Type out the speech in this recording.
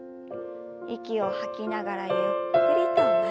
息を吐きながらゆっくりと前に。